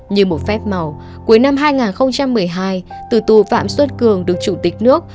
như một phép màu cuối năm hai nghìn một mươi hai từ tù phạm xuân cường được chủ tịch nước